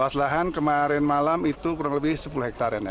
luas lahan kemarin malam itu kurang lebih sepuluh hektare